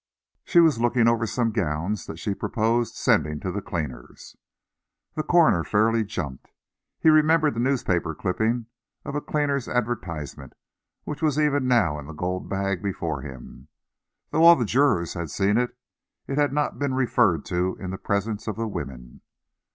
"She was looking over some gowns that she proposed sending to the cleaner's." The coroner fairly jumped. He remembered the newspaper clipping of a cleaner's advertisement, which was even now in the gold bag before him. Though all the jurors had seen it, it had not been referred to in the presence of the women.